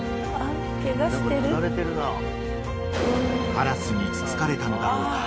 ［カラスにつつかれたのだろうか］